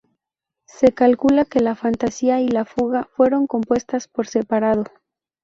Se calcula que la fantasía y la fuga fueron compuestas por separado.